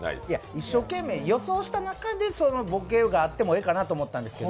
一生懸命予想した中でボケがあってもいいかなと思ったんですけど。